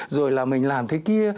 rồi là mình làm thế kia